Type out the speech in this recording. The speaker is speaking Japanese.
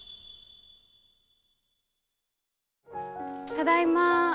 ただいま。